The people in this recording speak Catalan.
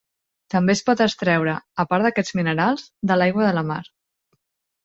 També es pot extreure, a part d'aquests minerals, de l'aigua de la mar.